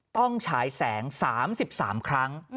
ต้องฉายแสง๓๓ครั้ง